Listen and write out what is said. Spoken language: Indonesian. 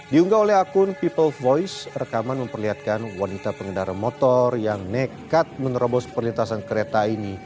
diunggah oleh akun people voice rekaman memperlihatkan wanita pengendara motor yang nekat menerobos perlintasan kereta ini